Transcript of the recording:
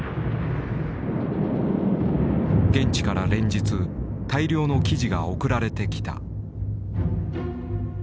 現地から連日大量の記事が送られてきた。